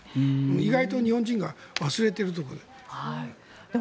意外と日本人が忘れているところで。